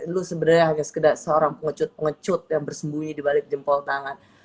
lu sebenarnya hanya sekedar seorang pengecut pengecut yang bersembunyi di balik jempol tangan